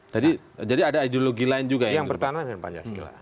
jadi jadi ada ideologi lain juga yang bertentangan dengan pancasila